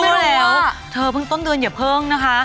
แล้วเธอเพิ่งต้นเดือนอย่าเพิ่งนะคะ